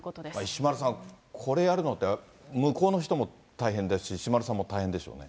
石丸さん、これやるのって向こうの人も大変ですし、石丸さんも大変ですよね。